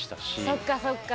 そっかそっか。